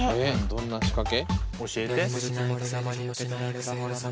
どんな仕掛け？教えて。